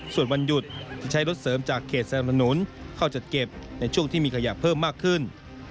ส่วนวันหยุดจะใช้รถเสริมจากเขตสนับสนุนเข้าจัดเก็บในช่วงที่มีขยะเพิ่มมากขึ้น